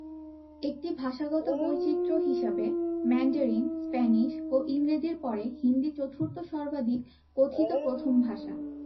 একটি ভাষাগত বৈচিত্র্য হিসাবে, ম্যান্ডারিন, স্প্যানিশ ও ইংরেজির পরে হিন্দি চতুর্থ সর্বাধিক কথিত প্রথম ভাষা।